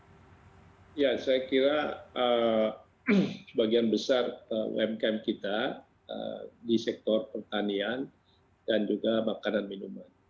ya saya kira sebagian besar umkm kita di sektor pertanian dan juga makanan minuman